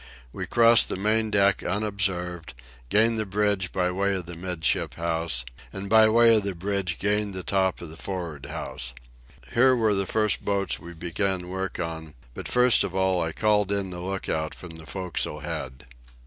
We crossed the main deck unobserved, gained the bridge by way of the 'midship house, and by way of the bridge gained the top of the for'ard house. Here were the first boats we began work on; but, first of all, I called in the lookout from the forecastle head.